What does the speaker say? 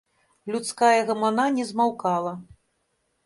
Людская гамана не змаўкала.